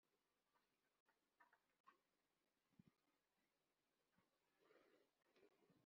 n imibare igaragara mu ishusho y umutungo